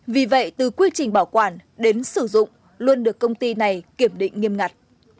vì vậy từ quy trình bảo quản đến sử dụng luôn được công ty này kiểm định nghiêm ngặt